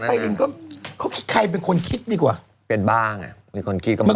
แต่ไฟลินก็เขาคิดใครเป็นคนคิดดีกว่าเป็นบ้าไงเป็นคนคิดกับบ้า